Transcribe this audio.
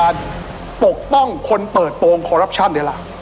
อัศวินตรีอัศวินตรี